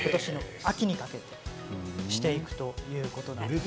秋までしていくということです。